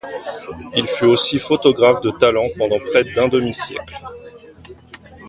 Il fut aussi photographe de talent pendant près d'un demi-siècle.